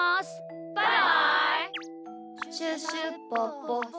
バイバイ！